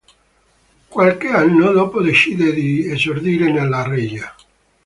Qualche anno dopo decide di esordire nella regia.